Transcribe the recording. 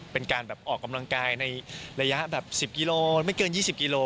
เป็นการแบบออกกำลังกายในระยะแบบ๑๐กิโลไม่เกิน๒๐กิโล